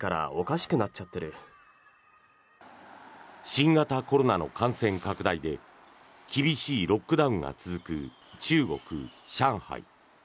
新型コロナの感染拡大で厳しいロックダウンが続く中国・上海。